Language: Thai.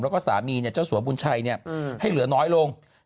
แล้วก็สามีเจ้าสัวบุญชัยให้เหลือน้อยลง